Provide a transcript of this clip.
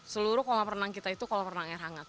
seluruh kolam renang kita itu kolam renang air hangat